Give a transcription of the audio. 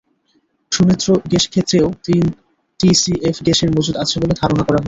সুনেত্র গ্যাসক্ষেত্রেও তিন টিসিএফ গ্যাসের মজুত আছে বলে ধারণা করা হয়েছিল।